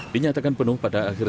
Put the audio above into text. dinyatakan penuh pada akhir